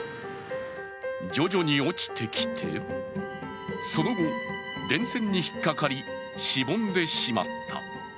徐々に落ちてきて、その後、電線にひっかかり、しぼんでしまった。